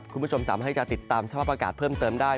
คุณผู้ชมสามารถให้จะติดตามสภาพอากาศเพิ่มเติมได้